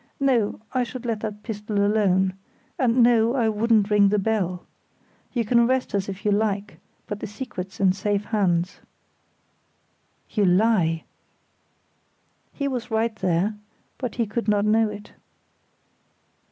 "No, I should let that pistol alone; and no, I wouldn't ring the bell. You can arrest us if you like, but the secret's in safe hands." "You lie!" He was right there; but he could not know it.